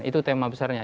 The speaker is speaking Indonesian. itu tema besarnya